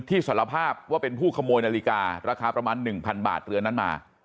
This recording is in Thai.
สารภาพว่าเป็นผู้ขโมยนาฬิการาคาประมาณ๑๐๐บาทเรือนนั้นมา